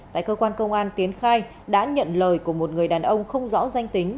tại cơ quan công an tiến khai đã nhận lời của một người đàn ông không rõ danh tính